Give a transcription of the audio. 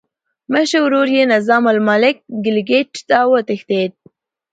مشر ورور یې نظام الملک ګیلګیت ته وتښتېد.